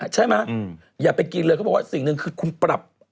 อย่าไปกินเลยเขาบอกว่าสิ่งหนึ่งคือคุณปรับ